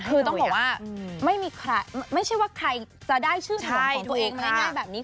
คือต้องบอกว่าไม่ใช่ว่าใครจะได้ชื่อขนมของตัวเองมาง่ายแบบนี้